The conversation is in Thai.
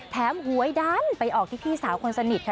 หวยดันไปออกที่พี่สาวคนสนิทค่ะ